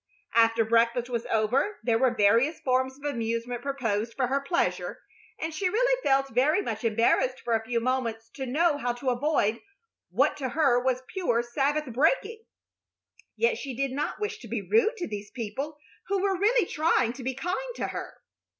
After breakfast was over there were various forms of amusement proposed for her pleasure, and she really felt very much embarrassed for a few moments to know how to avoid what to her was pure Sabbath breaking. Yet she did not wish to be rude to these people who were really trying to be kind to her.